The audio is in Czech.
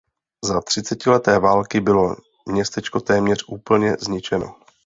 Za třicetileté války bylo městečko téměř úplně zničeno.